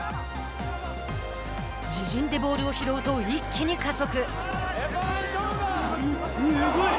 自陣でボールを拾うと一気に加速。